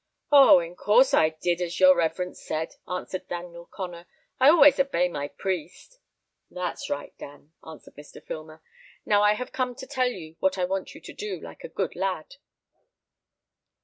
"Oh! in course I did as your reverence said," answered Daniel Connor. "I always obey my priest." "That's right, Dan," answered Mr. Filmer. "Now I have come to tell you what I want you to do, like a good lad."